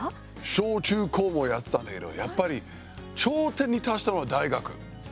小中高もやってたんだけどやっぱり頂点に達したのは大学。